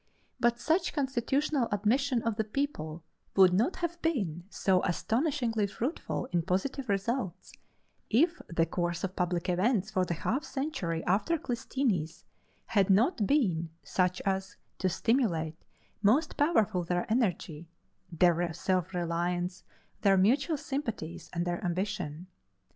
But such constitutional admission of the people would not have been so astonishingly fruitful in positive results, if the course of public events for the half century after Clisthenes had not been such as to stimulate most powerfully their energy, their self reliance, their mutual sympathies, and their ambition.